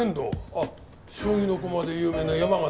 あっ将棋の駒で有名な山形の。